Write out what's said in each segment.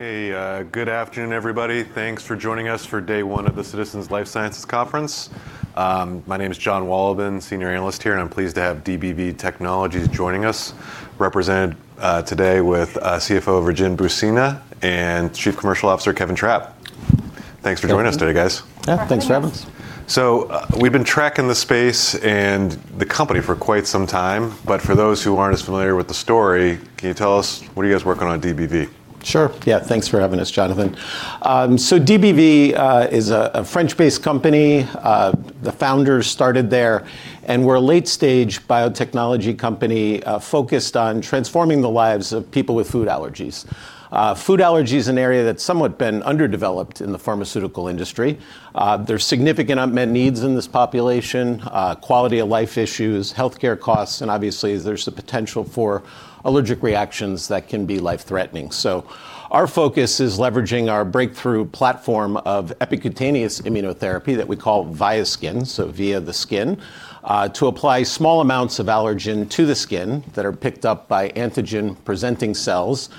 Hey, good afternoon, everybody. Thanks for joining us for day one of the Citizens Life Sciences Conference. My name is Jonathan Wolleben, Senior Analyst here, and I'm pleased to have DBV Technologies joining us, represented today with CFO, Virginie Boucinha, and Chief Commercial Officer, Kevin Trapp. Thanks for joining us today, guys. Thank you. Yeah, thanks for having us. We've been tracking the space and the company for quite some time, but for those who aren't as familiar with the story, can you tell us what are you guys working on at DBV? Sure, yeah. Thanks for having us, Jonathan. DBV is a French-based company. The founders started there, and we're a late-stage biotechnology company focused on transforming the lives of people with food allergies. Food allergy is an area that's somewhat been underdeveloped in the pharmaceutical industry. There's significant unmet needs in this population, quality of life issues, healthcare costs, and obviously there's the potential for allergic reactions that can be life-threatening. Our focus is leveraging our breakthrough platform of epicutaneous immunotherapy that we call VIASKIN, so via the skin, to apply small amounts of allergen to the skin that are picked up by antigen-presenting cells,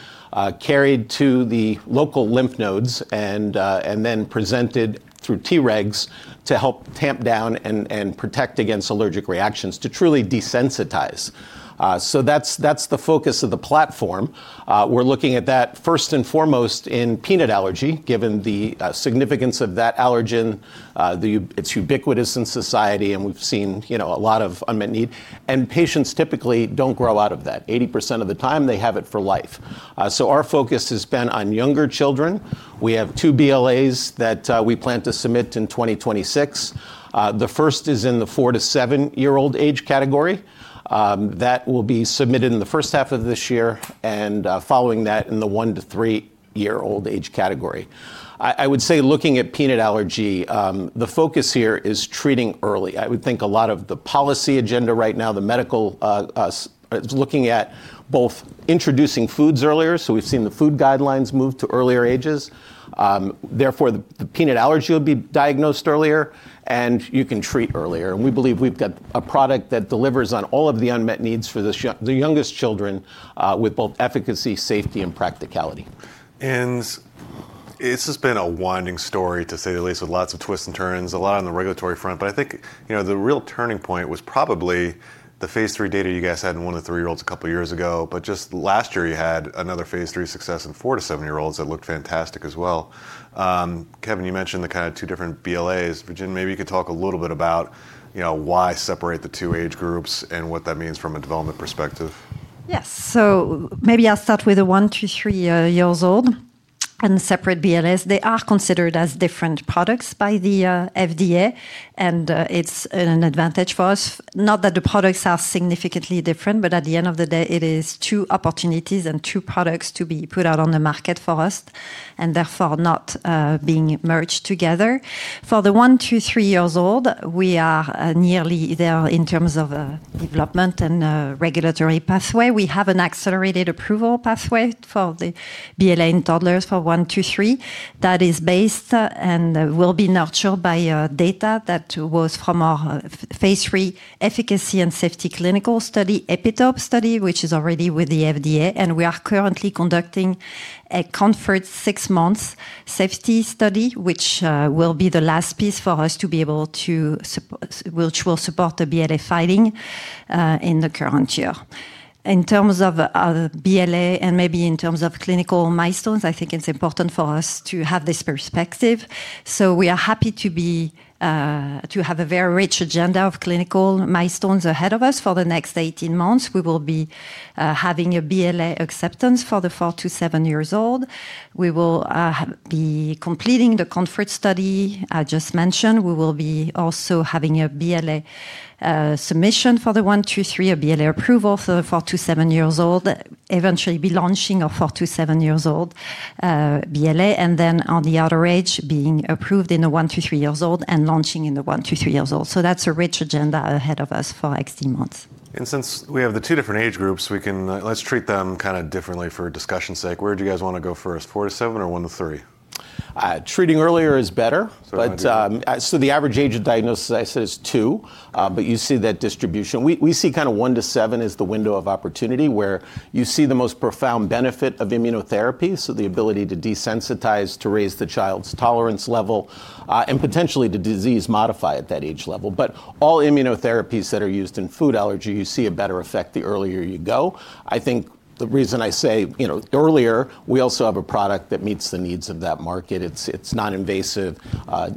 carried to the local lymph nodes and then presented through Tregs to help tamp down and protect against allergic reactions to truly desensitize. That's the focus of the platform. We're looking at that first and foremost in peanut allergy, given the significance of that allergen, it's ubiquitous in society, and we've seen, you know, a lot of unmet need. Patients typically don't grow out of that. 80% of the time, they have it for life. Our focus has been on younger children. We have two BLAs that we plan to submit in 2026. The first is in the 4-year to 7-year-old age category that will be submitted in the first half of this year and following that in the 1-year to 3-year-old age category. I would say looking at peanut allergy, the focus here is treating early. I would think a lot of the policy agenda right now, the medical society is looking at both introducing foods earlier, so we've seen the food guidelines move to earlier ages, therefore the peanut allergy will be diagnosed earlier and you can treat earlier. We believe we've got a product that delivers on all of the unmet needs for the youngest children with both efficacy, safety and practicality. This has been a winding story to say the least, with lots of twists and turns, a lot on the regulatory front. I think, you know, the real turning point was probably the phase III data you guys had in 1-year or 3-year-olds a couple of years ago. Just last year you had another phase III success in 4-year to 7-year-olds that looked fantastic as well. Kevin, you mentioned the kinda two different BLAs. Virginie, maybe you could talk a little bit about, you know, why separate the two age groups and what that means from a development perspective. Yes. Maybe I'll start with the 1-year to 3-year-olds and separate BLAs. They are considered as different products by the FDA, and it's an advantage for us. Not that the products are significantly different, but at the end of the day, it is two opportunities and two products to be put out on the market for us, and therefore not being merged together. For the 1-year to 3-year-olds, we are nearly there in terms of development and regulatory pathway. We have an accelerated approval pathway for the BLA in toddlers for one to three that is based and will be nurtured by data that was from our phase III efficacy and safety clinical study, EPITOPE study, which is already with the FDA, and we are currently conducting a COMFORT 6-month safety study, which will be the last piece for us to support the BLA filing in the current year. In terms of BLA and maybe in terms of clinical milestones, I think it's important for us to have this perspective. We are happy to have a very rich agenda of clinical milestones ahead of us for the next 18 months. We will be having a BLA acceptance for the 4 years to 7 years old. We will be completing the COMFORT study I just mentioned. We will be also having a BLA submission for the one to three, a BLA approval for the 4 year-7 years olds, eventually be launching for 4 years-7 years olds, BLA, and then on the other age, being approved in the 1 year-3 years olds and launching in the 1 year-3 years old. That's a rich agenda ahead of us for 18 months. Since we have the two different age groups, let's treat them kinda differently for discussion's sake. Where do you guys wanna go first, four to seven or one to three? Treating earlier is better. So maybe- The average age of diagnosis I said is two, but you see that distribution. We see kinda 1-7 as the window of opportunity where you see the most profound benefit of immunotherapy, so the ability to desensitize to raise the child's tolerance level, and potentially to disease modify at that age level. All immunotherapies that are used in food allergy, you see a better effect the earlier you go. I think the reason I say, you know, earlier, we also have a product that meets the needs of that market. It's non-invasive.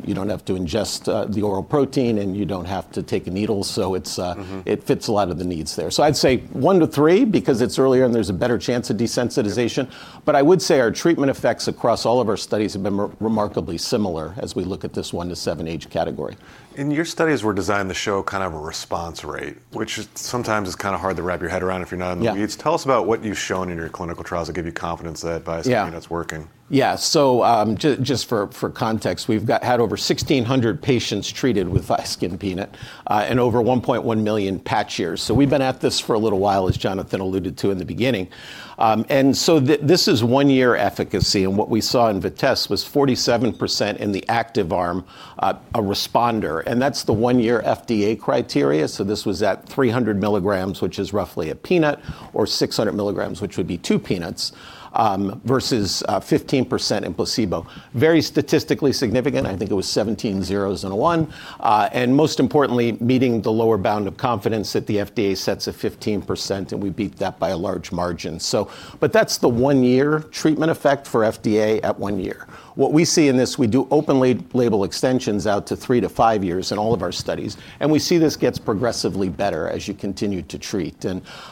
You don't have to ingest the oral protein, and you don't have to take a needle. It's Mm-hmm. It fits a lot of the needs there. I'd say 1-3 because it's earlier and there's a better chance of desensitization. Yeah. I would say our treatment effects across all of our studies have been remarkably similar as we look at this 1-7 age category. Your studies were designed to show kind of a response rate, which is sometimes kinda hard to wrap your head around if you're not in the weeds. Yeah. Tell us about what you've shown in your clinical trials that give you confidence that VIASKIN Peanut's working. Just for context, we've had over 1,600 patients treated with VIASKIN Peanut, and over 1.1 million patch years. We've been at this for a little while, as Jonathan alluded to in the beginning. This is one year efficacy, and what we saw in VITESSE was 47% in the active arm, a responder. That's the one year FDA criteria, so this was at 300 mg, which is roughly a peanut, or 600 mg, which would be two peanuts, versus 15% in placebo. Very statistically significant. I think it was seventeen zeros and a one. Most importantly, meeting the lower bound of confidence that the FDA sets at 15%, and we beat that by a large margin. That's the 1 year treatment effect for FDA at 1 year. What we see in this, we do open-label extensions out to 3 to 5 years in all of our studies, and we see this gets progressively better as you continue to treat.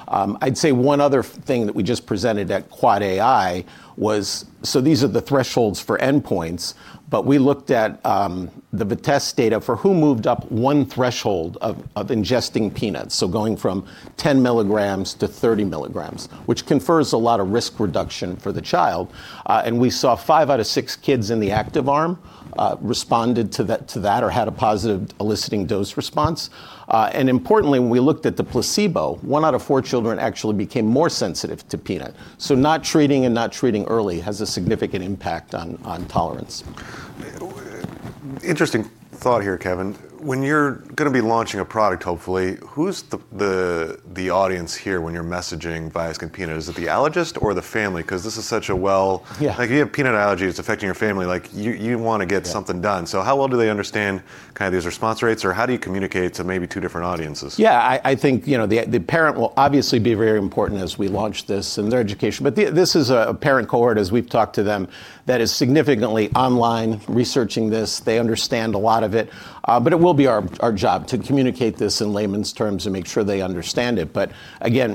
I'd say one other thing that we just presented at AAAAI was these are the thresholds for endpoints, but we looked at the VITESSE data for who moved up one threshold of ingesting peanuts. Going from 10 mg to 30 mg, which confers a lot of risk reduction for the child. We saw five out of six kids in the active arm responded to that or had a positive eliciting dose response. Importantly, when we looked at the placebo, 1 out of 4 children actually became more sensitive to peanut. Not treating and not treating early has a significant impact on tolerance. Interesting thought here, Kevin. When you're gonna be launching a product, hopefully, who's the audience here when you're messaging VIASKIN Peanut? Is it the allergist or the family? 'Cause this is such a well- Yeah. Like, if you have peanut allergy, it's affecting your family. Like, you wanna get something done. Yeah. How well do they understand kind of these response rates, or how do you communicate to maybe two different audiences? Yeah. I think, you know, the parent will obviously be very important as we launch this and their education. This is a parent cohort as we've talked to them, that is significantly online researching this. They understand a lot of it, but it will be our job to communicate this in layman's terms and make sure they understand it.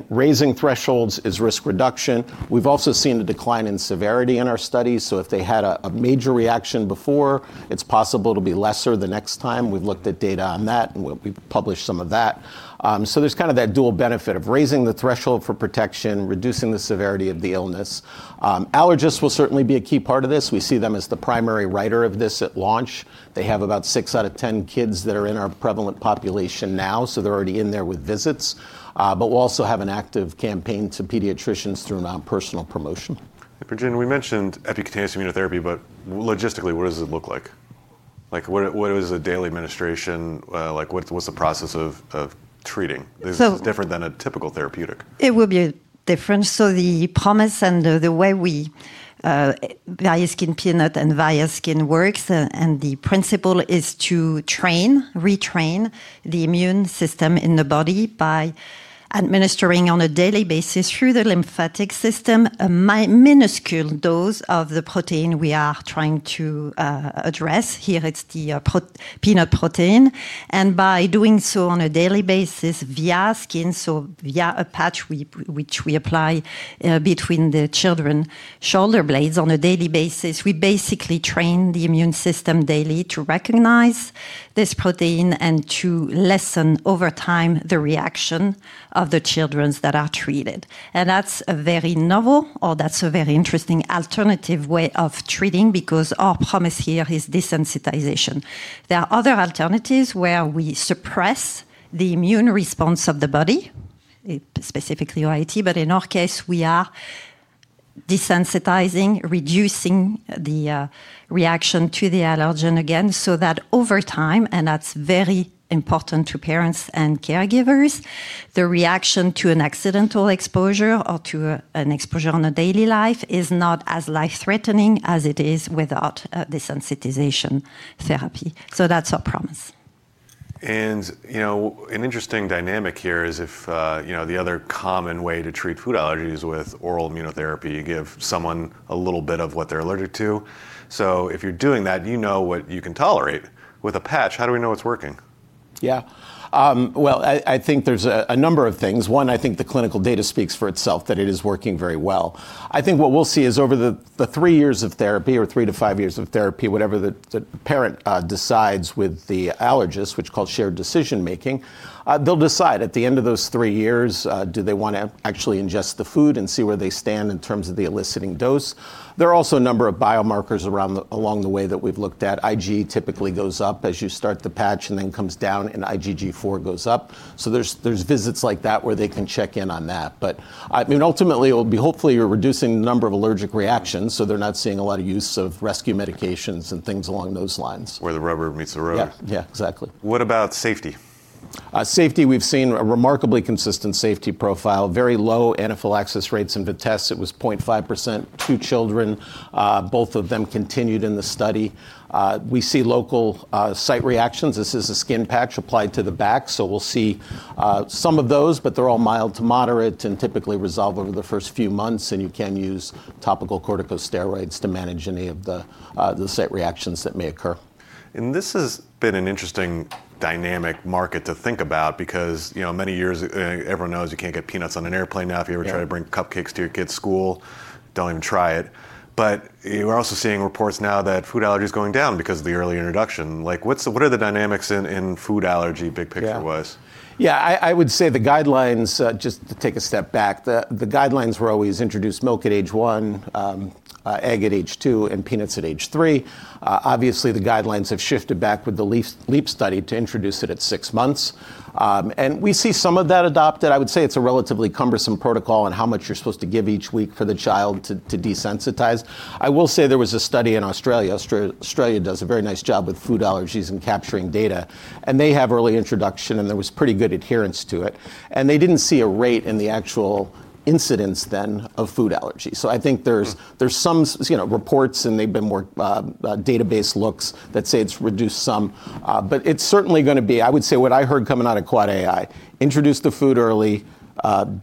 Raising thresholds is risk reduction. We've also seen a decline in severity in our studies, so if they had a major reaction before, it's possible to be lesser the next time. We've looked at data on that, and we've published some of that. There's kind of that dual benefit of raising the threshold for protection, reducing the severity of the illness. Allergists will certainly be a key part of this. We see them as the primary writer of this at launch. They have about six out of 10 kids that are in our prevalent population now, so they're already in there with visits. We'll also have an active campaign to pediatricians through non-personal promotion. Virginie, we mentioned epicutaneous immunotherapy, but logistically, what does it look like? Like, what is the daily administration? Like, what's the process of treating? So- This is different than a typical therapeutic. It will be different. The promise and the way we VIASKIN Peanut and VIASKIN works, and the principle is to retrain the immune system in the body by administering on a daily basis through the lymphatic system, a minuscule dose of the protein we are trying to address. Here, it's the peanut protein, and by doing so on a daily basis via skin, so via a patch which we apply between the children shoulder blades on a daily basis, we basically train the immune system daily to recognize this protein and to lessen over time the reaction of the children that are treated. That's a very novel or that's a very interesting alternative way of treating because our promise here is desensitization. There are other alternatives where we suppress the immune response of the body, specifically OIT, but in our case, we are desensitizing, reducing the reaction to the allergen again, so that over time, and that's very important to parents and caregivers, the reaction to an accidental exposure or to an exposure on a daily life is not as life-threatening as it is without desensitization therapy. That's our promise. You know, an interesting dynamic here is if, you know, the other common way to treat food allergy is with oral immunotherapy. You give someone a little bit of what they're allergic to. If you're doing that, you know what you can tolerate. With a patch, how do we know it's working? Yeah. Well, I think there's a number of things. One, I think the clinical data speaks for itself that it is working very well. I think what we'll see is over the three years of therapy or three to five years of therapy, whatever the parent decides with the allergist, which called shared decision-making, they'll decide. At the end of those three years, do they wanna actually ingest the food and see where they stand in terms of the eliciting dose? There are also a number of biomarkers around, along the way that we've looked at. IgE typically goes up as you start the patch and then comes down, and IgG4 goes up. So there's visits like that where they can check in on that. I mean, ultimately, it'll be hopefully you're reducing the number of allergic reactions, so they're not seeing a lot of use of rescue medications and things along those lines. Where the rubber meets the road. Yeah. Yeah, exactly. What about safety? Safety, we've seen a remarkably consistent safety profile, very low anaphylaxis rates in the tests. It was 0.5%, two children, both of them continued in the study. We see local site reactions. This is a skin patch applied to the back, so we'll see some of those, but they're all mild to moderate and typically resolve over the first few months, and you can use topical corticosteroids to manage any of the site reactions that may occur. This has been an interesting dynamic market to think about because, you know, many years, everyone knows you can't get peanuts on an airplane now. Yeah. If you ever try to bring cupcakes to your kid's school, don't even try it. You are also seeing reports now that food allergy is going down because of the early introduction. Like, what are the dynamics in food allergy, big picture wise? I would say the guidelines, just to take a step back, the guidelines were always introduce milk at age one, egg at age two, and peanuts at age three. Obviously, the guidelines have shifted back with the LEAP study to introduce it at 6 months. We see some of that adopted. I would say it's a relatively cumbersome protocol on how much you're supposed to give each week for the child to desensitize. I will say there was a study in Australia. Australia does a very nice job with food allergies and capturing data, and they have early introduction, and there was pretty good adherence to it. They didn't see a rate in the actual incidence then of food allergies. I think there's- Hmm. There's some, you know, reports, and they've been more database looks that say it's reduced some, but it's certainly gonna be, I would say what I heard coming out of AAAA I, introduce the food early,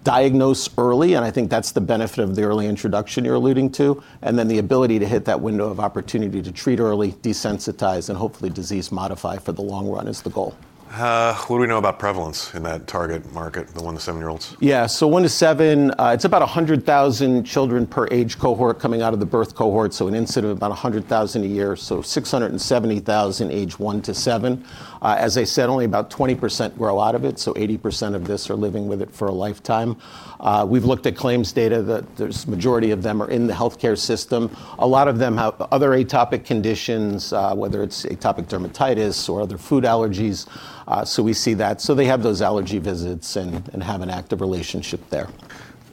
diagnose early, and I think that's the benefit of the early introduction you're alluding to, and then the ability to hit that window of opportunity to treat early, desensitize, and hopefully disease modify for the long run is the goal. What do we know about prevalence in that target market, the 1-year to 7-year-olds? Yeah. One to seven, it's about 100,000 children per age cohort coming out of the birth cohort, so an incidence of about 100,000 a year, so 670,000 age 1 to 7. As I said, only about 20% grow out of it, so 80% of this are living with it for a lifetime. We've looked at claims data that there's majority of them are in the healthcare system. A lot of them have other atopic conditions, whether it's atopic dermatitis or other food allergies, so we see that. They have those allergy visits and have an active relationship there.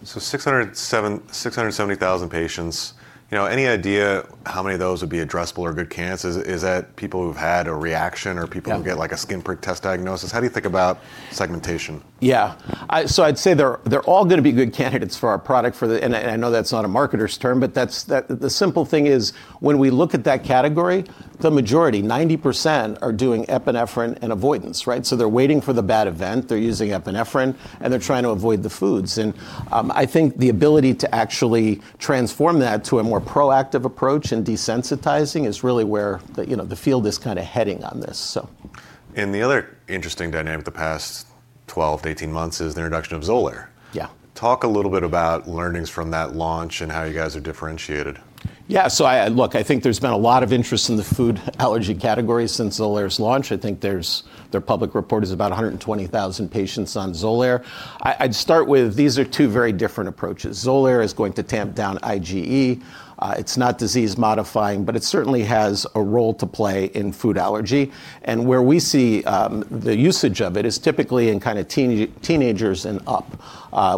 670,000 patients. You know, any idea how many of those would be addressable or good candidates? Is that people who've had a reaction or people- Yeah. ...who get, like, a skin prick test diagnosis? How do you think about segmentation? Yeah. So I'd say they're all gonna be good candidates for our product. I know that's not a marketer's term, but that's the simple thing is when we look at that category, the majority, 90%, are doing epinephrine and avoidance, right? They're waiting for the bad event, they're using epinephrine, and they're trying to avoid the foods. I think the ability to actually transform that to a more proactive approach in desensitizing is really where you know the field is kinda heading on this. The other interesting dynamic of the past 12 months-18 months is the introduction of XOLAIR. Yeah. Talk a little bit about learnings from that launch and how you guys are differentiated? I think there's been a lot of interest in the food allergy category since XOLAIR's launch. I think their public report is about 120,000 patients on XOLAIR. I'd start with these are two very different approaches. XOLAIR is going to tamp down IgE. It's not disease modifying, but it certainly has a role to play in food allergy. Where we see the usage of it is typically in kind of teenagers and up,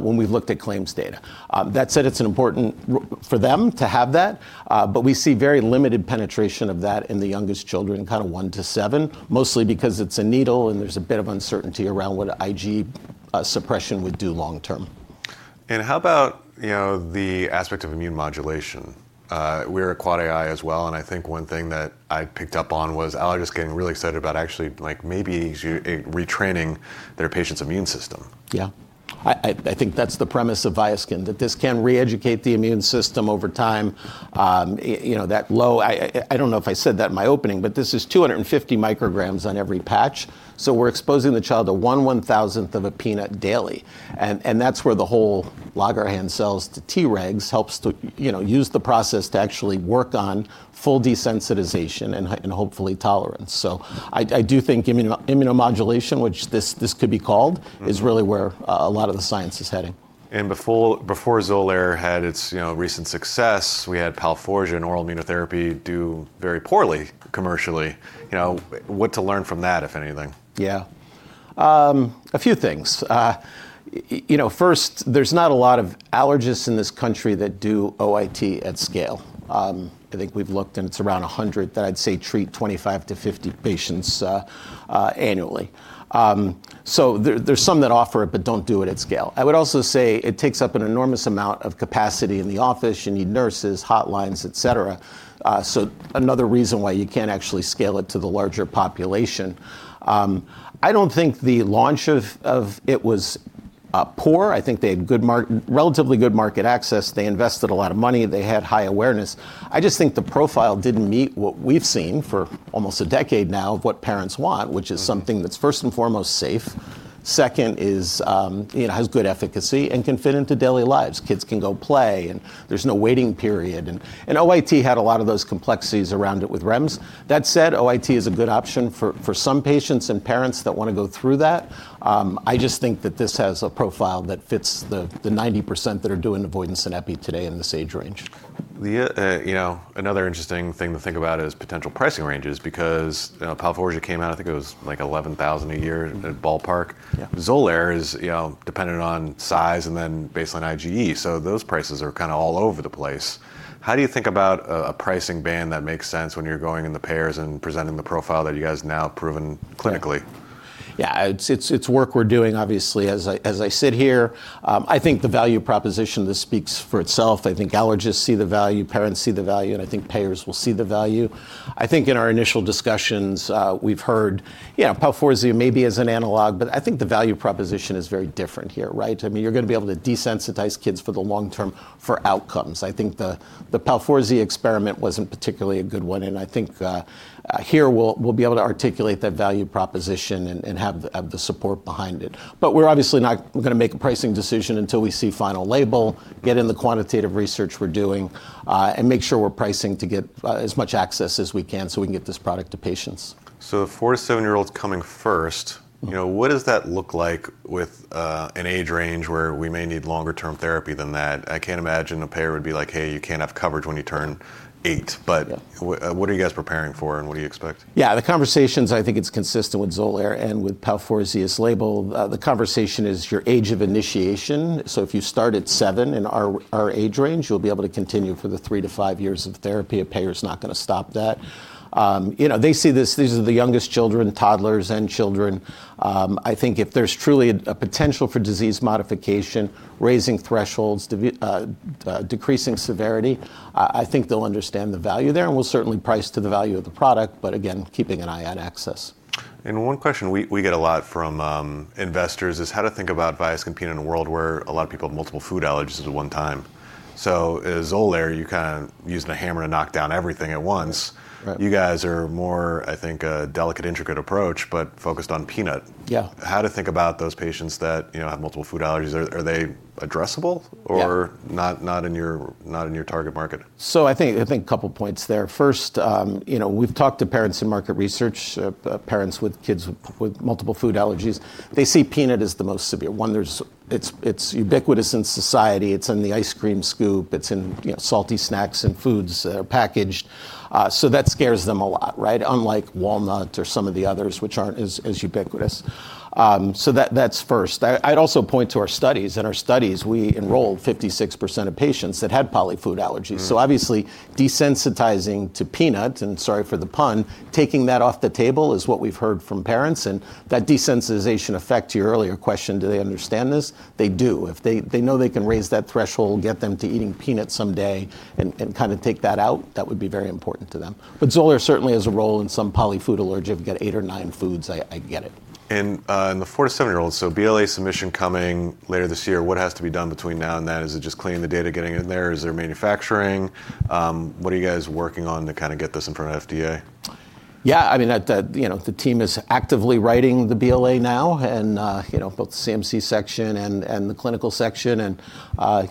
when we've looked at claims data. That said, it's an important role for them to have that, but we see very limited penetration of that in the youngest children, kind of 1 to 7, mostly because it's a needle and there's a bit of uncertainty around what IgE suppression would do long term. How about, you know, the aspect of immune modulation? We're at AAAAI as well, and I think one thing that I picked up on was allergists getting really excited about actually, like, maybe retraining their patients' immune system. Yeah. I think that's the premise of VIASKIN, that this can re-educate the immune system over time. You know, that low. I don't know if I said that in my opening, but this is 250 micrograms on every patch, so we're exposing the child to 1/1000th of a peanut daily. That's where the whole Langerhans cells to Tregs helps to, you know, use the process to actually work on full desensitization and hopefully tolerance. I do think immunomodulation, which this could be called- Mm. ...is really where a lot of the science is heading. Before XOLAIR had its, you know, recent success, we had PALFORZIA, an oral immunotherapy, do very poorly commercially. You know, what to learn from that, if anything? Yeah. A few things. You know, first, there's not a lot of allergists in this country that do OIT at scale. I think we've looked, and it's around 100 that I'd say treat 25-50 patients annually. There, there's some that offer it, but don't do it at scale. I would also say it takes up an enormous amount of capacity in the office. You need nurses, hotlines, et cetera, so another reason why you can't actually scale it to the larger population. I don't think the launch of it was poor. I think they had relatively good market access. They invested a lot of money. They had high awareness. I just think the profile didn't meet what we've seen for almost a decade now of what parents want- Mm. ...which is something that's first and foremost safe, second is, you know, has good efficacy and can fit into daily lives. Kids can go play and there's no waiting period. OIT had a lot of those complexities around it with REMS. That said, OIT is a good option for some patients and parents that wanna go through that. I just think that this has a profile that fits the 90% that are doing avoidance and epi today in this age range. You know, another interesting thing to think about is potential pricing ranges because, you know, PALFORZIA came out, I think it was, like, $11,000 a year- Mm. ...ballpark. Yeah. XOLAIR is, you know, dependent on size and then based on IgE, so those prices are kinda all over the place. How do you think about a pricing band that makes sense when you're going to the payers and presenting the profile that you guys have now proven clinically? Yeah. It's work we're doing, obviously, as I sit here. I think the value proposition just speaks for itself. I think allergists see the value, parents see the value, and I think payers will see the value. I think in our initial discussions, we've heard, you know, PALFORZIA maybe is an analog, but I think the value proposition is very different here, right? I mean, you're gonna be able to desensitize kids for the long term for outcomes. I think the PALFORZIA experiment wasn't particularly a good one, and I think here we'll be able to articulate that value proposition and have the support behind it. We're obviously not gonna make a pricing decision until we see final label, get input from the quantitative research we're doing, and make sure we're pricing to get as much access as we can so we can get this product to patients. So 4-year to 7-year-olds coming first. Mm. You know, what does that look like with an age range where we may need longer term therapy than that? I can't imagine a payer would be like, "Hey, you can't have coverage when you turn eight. Yeah. What are you guys preparing for and what do you expect? Yeah. The conversations, I think it's consistent with XOLAIR and with PALFORZIA's label. The conversation is around age of initiation, so if you start at seven, in our age range, you'll be able to continue for the 3-5 years of therapy. A payer's not gonna stop that. You know, they see this, these are the youngest children, toddlers and children. I think if there's truly a potential for disease modification, raising thresholds, decreasing severity, I think they'll understand the value there, and we'll certainly price to the value of the product, but again, keeping an eye on access. One question we get a lot from investors is how to think about VIASKIN competing in a world where a lot of people have multiple food allergies at one time. As XOLAIR, you kinda using a hammer to knock down everything at once. Right. You guys are more, I think, a delicate, intricate approach, but focused on peanut. Yeah. How to think about those patients that, you know, have multiple food allergies. Are they addressable? Yeah. Not in your target market? I think a couple points there. First, you know, we've talked to parents in market research, parents with kids with multiple food allergies. They see peanut as the most severe one. It's ubiquitous in society. It's in the ice cream scoop. It's in, you know, salty snacks and foods, packaged. So that scares them a lot, right? Unlike walnut or some of the others which aren't as ubiquitous. So that's first. I'd also point to our studies. In our studies, we enrolled 56% of patients that had polyfood allergies. Mm. Obviously, desensitizing to peanut, and sorry for the pun, taking that off the table is what we've heard from parents, and that desensitization effect, to your earlier question, do they understand this? They do. If they know they can raise that threshold, get them to eating peanuts someday, and kinda take that out, that would be very important to them. But XOLAIR certainly has a role in some polyfood allergies. You got 8 or 9 foods, I get it. In the 4-year to 7-year-olds, so BLA submission coming later this year. What has to be done between now and then? Is it just cleaning the data, getting it in there? Is there manufacturing? What are you guys working on to kinda get this in front of FDA? Yeah, I mean, you know, the team is actively writing the BLA now, and you know, both the CMC section and the clinical section, and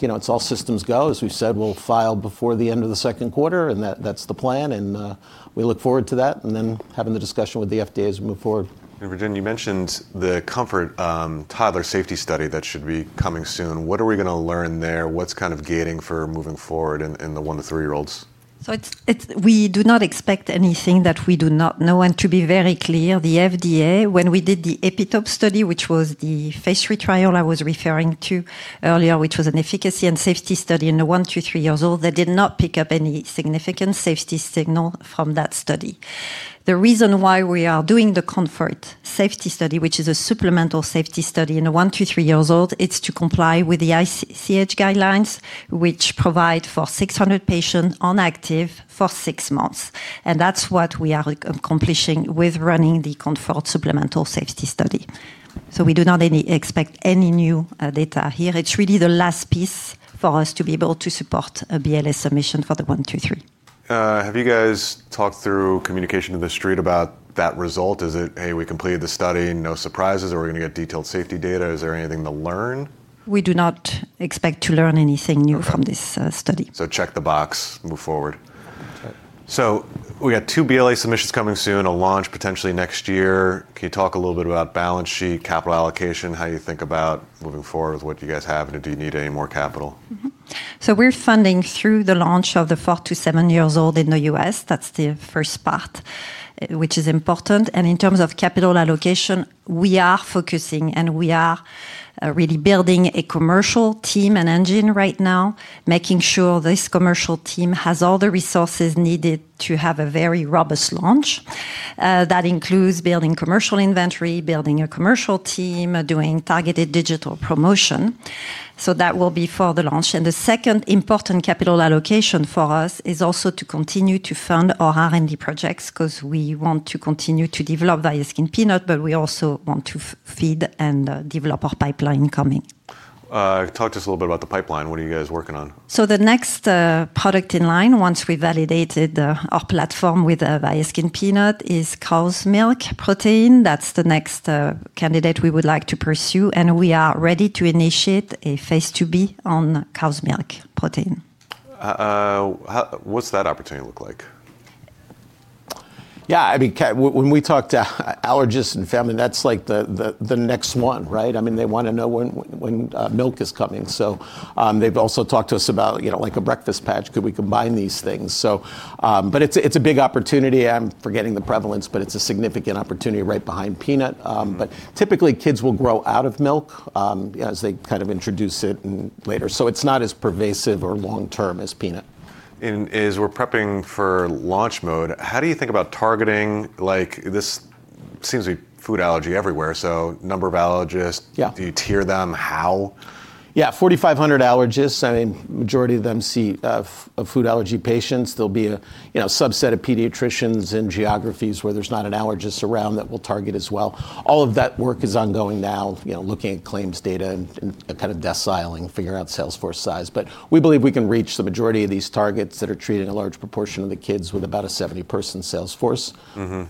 you know, it's all systems go. As we've said, we'll file before the end of the second quarter, and that's the plan, and we look forward to that, and then having the discussion with the FDA as we move forward. Virginie, you mentioned the COMFORT toddler safety study that should be coming soon. What are we gonna learn there? What's kind of gating for moving forward in the 1-year to 3-year-olds? We do not expect anything that we do not know. To be very clear, the FDA, when we did the EPITOPE study, which was the phase 3 trial I was referring to earlier, which was an efficacy and safety study in the 1-year to 3-year-olds, they did not pick up any significant safety signal from that study. The reason why we are doing the COMFORT safety study, which is a supplemental safety study in the 1-year to 3-year-olds, it's to comply with the ICH guidelines, which provide for 600 patients on active for six months, and that's what we are accomplishing with running the COMFORT supplemental safety study. We do not expect any new data here. It's really the last piece for us to be able to support a BLA submission for the one, two, three. Have you guys talked through communication to the street about that result? Is it, "Hey, we completed the study, no surprises," or are we gonna get detailed safety data? Is there anything to learn? We do not expect to learn anything new- Okay... from this, study. Check the box, move forward. Okay. We got two BLA submissions coming soon, a launch potentially next year. Can you talk a little bit about balance sheet, capital allocation, how you think about moving forward with what you guys have, and do you need any more capital? We're funding through the launch of the 4-year to 7-year-olds in the U.S. That's the first part, which is important. In terms of capital allocation, we are focusing and we are really building a commercial team and engine right now, making sure this commercial team has all the resources needed to have a very robust launch. That includes building commercial inventory, building a commercial team, doing targeted digital promotion. That will be for the launch. The second important capital allocation for us is also to continue to fund our R&D projects 'cause we want to continue to develop VIASKIN Peanut, but we also want to further develop our pipeline. Talk to us a little bit about the pipeline. What are you guys working on? The next product in line once we validated our platform with VIASKIN Peanut is cow's milk protein. That's the next candidate we would like to pursue, and we are ready to initiate a phase IIb on cow's milk protein. What's that opportunity look like? Yeah. I mean, when we talk to allergists and family, that's like the next one, right? I mean, they wanna know when milk is coming. They've also talked to us about, you know, like a breakfast patch, could we combine these things? But it's a big opportunity. I'm forgetting the prevalence, but it's a significant opportunity right behind peanut. But typically kids will grow out of milk as they kind of introduce it and later. It's not as pervasive or long-term as peanut. As we're prepping for launch mode, how do you think about targeting—like, this seems to be food allergy everywhere, so number of allergists? Yeah. Do you tier them? How? Yeah. 4,500 allergists. I mean, majority of them see food allergy patients. There'll be a, you know, subset of pediatricians in geographies where there's not an allergist around that we'll target as well. All of that work is ongoing now, you know, looking at claims data and kind of deciling, figuring out sales force size. We believe we can reach the majority of these targets that are treating a large proportion of the kids with about a 70-person sales force. Mm-hmm.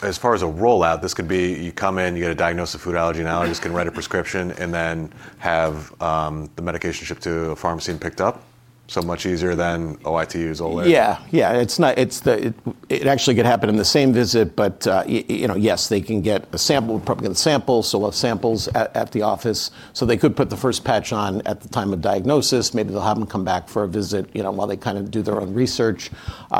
As far as a rollout, this could be you come in, you get a diagnosis of food allergy. An allergist can write a prescription, and then have the medication shipped to a pharmacy and picked up. So much easier than OIT's old way. Yeah. Yeah. It actually could happen in the same visit, but you know, yes, they can get a sample, probably get samples. We'll have samples at the office. They could put the first patch on at the time of diagnosis. Maybe they'll have them come back for a visit, you know, while they kind of do their own research.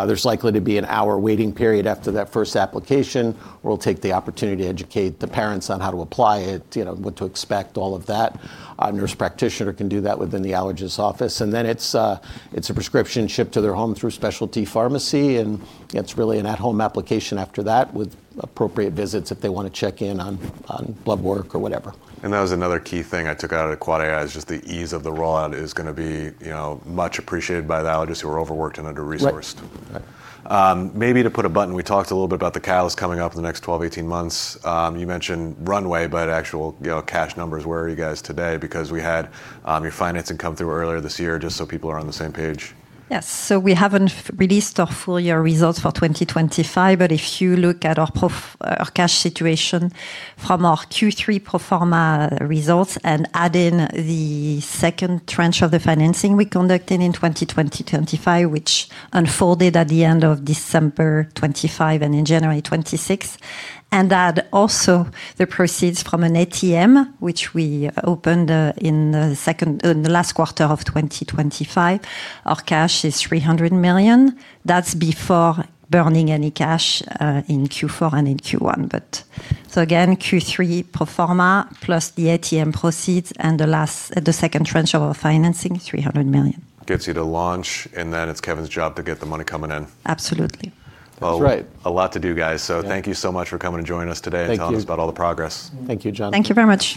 There's likely to be an hour waiting period after that first application. We'll take the opportunity to educate the parents on how to apply it, you know, what to expect, all of that. A nurse practitioner can do that within the allergist office. It's a prescription shipped to their home through specialty pharmacy, and it's really an at home application after that with appropriate visits if they wanna check in on blood work or whatever. That was another key thing I took out of the AAAAI is just the ease of the rollout is gonna be, you know, much appreciated by the allergists who are overworked and under-resourced. Right. Maybe to put a button, we talked a little bit about the catalyst coming up in the next 12 months, 18 months. You mentioned runway, but actually, you know, cash numbers, where are you guys today? Because we had your financing come through earlier this year, just so people are on the same page. Yes. We haven't released our full year results for 2025, but if you look at our cash situation from our Q3 pro forma results and add in the second tranche of the financing we conducted in 2025, which unfolded at the end of December 2025 and in January 2026, and add also the proceeds from an ATM, which we opened in the last quarter of 2025, our cash is 300 million. That's before burning any cash in Q4 and in Q1, but. Again, Q3 pro forma plus the ATM proceeds and the second tranche of our financing, 300 million. Gets you to launch, and then it's Kevin's job to get the money coming in. Absolutely. That's right. A lot to do, guys. Yeah. Thank you so much for coming to join us today- Thank you. ...telling us about all the progress. Thank you, Jonathan. Thank you very much.